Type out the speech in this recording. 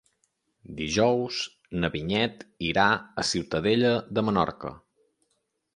Dijous na Vinyet irà a Ciutadella de Menorca.